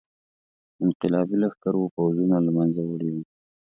انقلابي لښکرو پوځونه له منځه وړي وو.